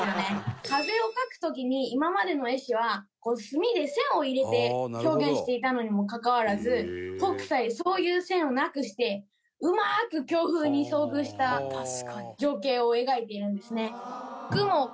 風を描く時に今までの絵師は墨で線を入れて表現していたのにもかかわらず北斎そういう線をなくしてうまく強風に遭遇した情景を描いているんですね。